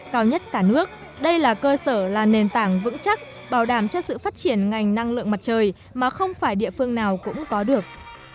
cao nhất cả nước đây là cơ sở là nền tảng vững chắc bảo đảm cho sự phát triển ngành năng lượng mặt trời mà không phải địa phương nào cũng có được